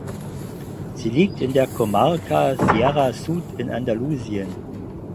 Sie liegt in der Comarca Sierra Sud in Andalusien.